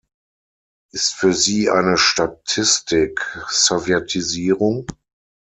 Ist für Sie eine Statistik Sowjetisierung?